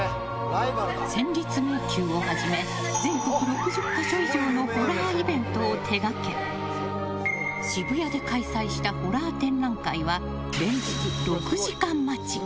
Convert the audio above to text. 戦慄迷宮をはじめ全国６０か所以上のホラーイベントを手掛け渋谷で開催したホラー展覧会は連日６時間待ち。